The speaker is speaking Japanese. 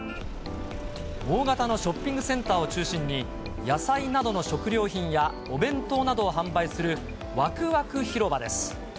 大型のショッピングセンターを中心に、野菜などの食料品やお弁当などを販売するわくわく広場です。